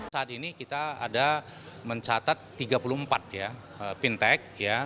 saat ini kita ada mencatat tiga puluh empat ya fintech